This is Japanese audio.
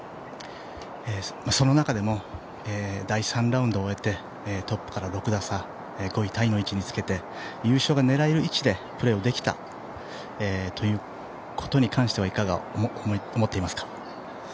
その中でも第３ラウンドを終えてトップから６打差５位タイの位置につけて優勝が狙える位置でプレーができたということに関してはいかが思っていますか。